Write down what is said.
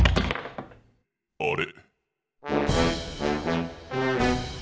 あれ？